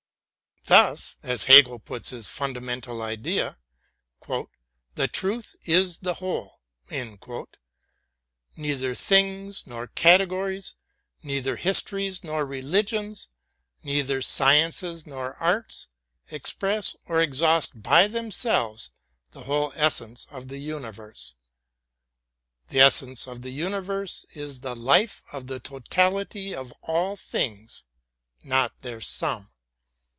Thus, as Hegel puts his fundamental idea, "the truth is the whole." Neither things nor categories, neither his tories nor religions, neither sciences nor arts, express or exhaust by themselves the whole essence of the universe. The essence of the universe is the life of the totality of all things, not their sum.